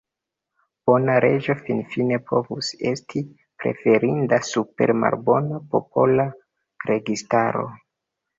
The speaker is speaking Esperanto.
Bona reĝo finfine povus esti preferinda super malbona popola registaro.